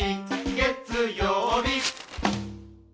月曜日